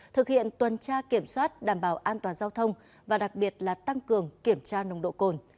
thực hiện tuần tra kiểm soát đảm bảo an toàn giao thông và đặc biệt là tăng cường kiểm tra nồng độ cồn